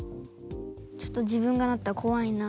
ちょっと自分がなったら怖いな。